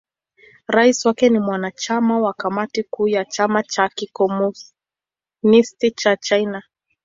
Rais wake ni mwanachama wa Kamati Kuu ya Chama cha Kikomunisti cha China.